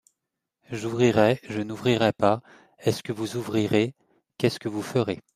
J’ouvrirai, je n’ouvrirai pas, est-ce que vous ouvrirez, qu’est-ce que vous ferez.